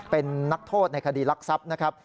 เป็นนักโทษในคดีรักทรัพย์นะครับ